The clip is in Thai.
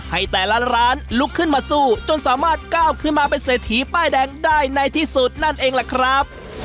ให้แต่ละร้านลุกขึ้นมาสู้จนสามารถก้าวขึ้นมาเป็นเศรษฐีป้ายแดงได้ในที่สุดนั่นเองล่ะครับ